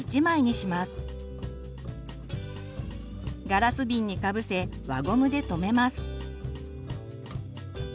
ガラス瓶にかぶせ輪ゴムで留めます。